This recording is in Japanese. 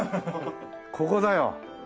ここだよ。